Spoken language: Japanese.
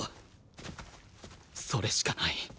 それしかない。